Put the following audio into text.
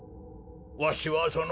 わしはその。